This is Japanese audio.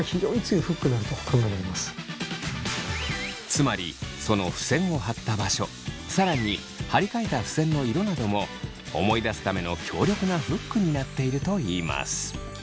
つまりそのふせんを貼った場所更に貼り替えたふせんの色なども思い出すための強力なフックになっているといいます。